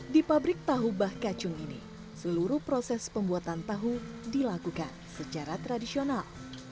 di pabrik tahu bah kacung ini seluruh proses pembuatan tahu dilakukan secara tradisional